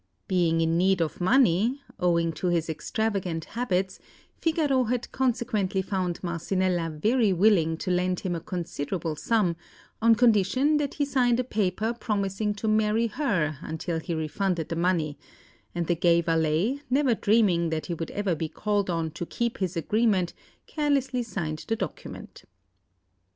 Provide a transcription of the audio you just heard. Being in need of money, owing to his extravagant habits, Figaro had consequently found Marcellina very willing to lend him a considerable sum, on condition that he signed a paper promising to marry her unless he refunded the money; and the gay valet, never dreaming that he would ever be called on to keep his agreement, carelessly signed the document.